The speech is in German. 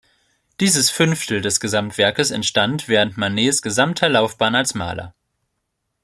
Dieses Fünftel des Gesamtwerkes entstand während Manets gesamter Laufbahn als Maler.